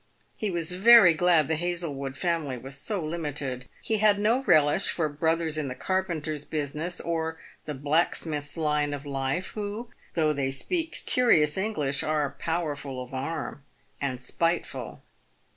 He was very glad the Hazlewood family was so limited. He had no relish for brothers in the carpenter's business or the black smith's line of life, who, though they speak curious English, are powerful of arm, and spiteful."